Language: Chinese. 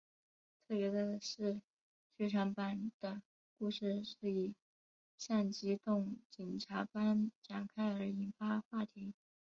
特别的是剧场版的故事是以像机动警察般展开而引发话题。